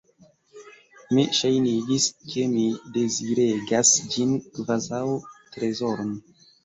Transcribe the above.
Mi ŝajnigis, ke mi deziregas ĝin, kvazaŭ trezoron.